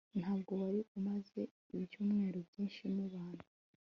ntabwo wari umaze ibyumweru byinshi mubana